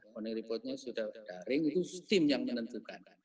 morning report nya sudah daring itu tim yang menentukan